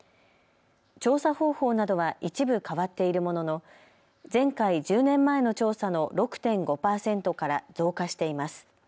調査方法などは一部変わっているものの前回１０年前の調査の６．５％から増加しています。